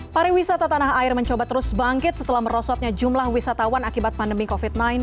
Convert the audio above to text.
pariwisata tanah air mencoba terus bangkit setelah merosotnya jumlah wisatawan akibat pandemi covid sembilan belas